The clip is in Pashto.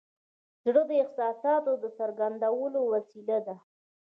زړه د احساساتو د څرګندولو وسیله ده.